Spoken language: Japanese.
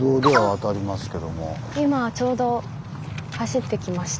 今ちょうど走ってきました。